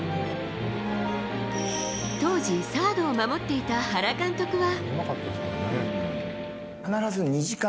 当時、サードを守っていた原監督は。